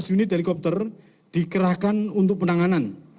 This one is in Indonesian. sebelas unit helikopter dikerahkan untuk penanganan